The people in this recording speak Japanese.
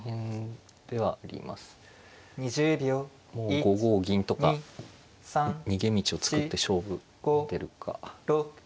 ５五銀とか逃げ道を作って勝負に出るか。